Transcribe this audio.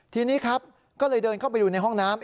ทีนี้ครับก็เลยเดินเข้าไปดูในห้องน้ำ